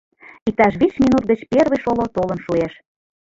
Иктаж вич минут гыч первый шоло толын шуэш.